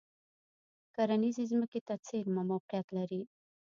کرنیزې ځمکې ته څېرمه موقعیت لري.